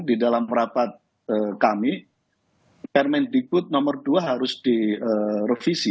di dalam rapat kami permendikbud nomor dua harus direvisi